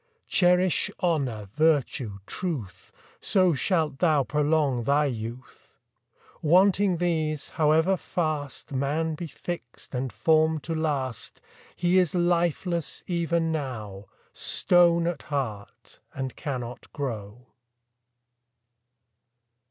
Cherish honour, virtue, truth, So shalt thou prolong thy youth. Wanting these, however fast Man be fix'd and form'd to last, He is lifeless even now, Stone at heart, and cannot grow.